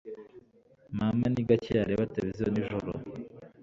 Mama ni gake yareba televiziyo nijoro